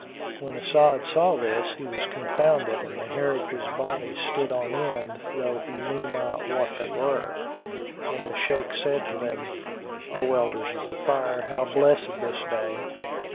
[FN#381] When As'ad saw this, he was confounded and the hair of his body stood on end though he knew not what they were; and the Shaykh said to them, "O Elders of the Fire, how blessed is this day!"